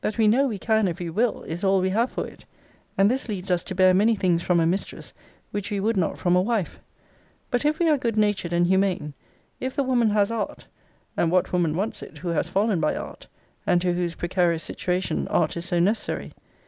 That we know we can if we will, is all we have for it: and this leads us to bear many things from a mistress, which we would not from a wife. But, if we are good natured and humane: if the woman has art: [and what woman wants it, who has fallen by art? and to whose precarious situation art is so necessary?